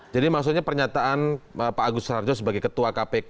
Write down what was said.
jadi maksudnya pernyataan pak agus sararjo sebagai ketua kpk